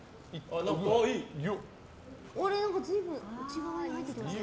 随分内側に入っていきましたね。